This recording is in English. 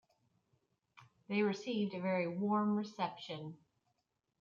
They received a very warm reception.